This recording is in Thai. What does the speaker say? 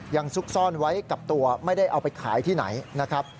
ซุกซ่อนไว้กับตัวไม่ได้เอาไปขายที่ไหนนะครับ